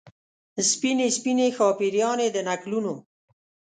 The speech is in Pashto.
سپینې، سپینې شاپیريانې د نکلونو